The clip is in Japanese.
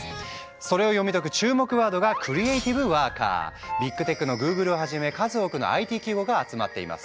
それを読み解く注目ワードがビッグテックのグーグルをはじめ数多くのＩＴ企業が集まっています。